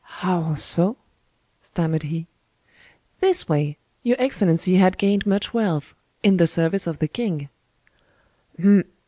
"How so?" stammered he. "This way. Your excellency had gained much wealth—in the service of the king."